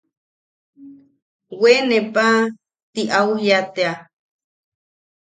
–Weene paa– ti au jia tea.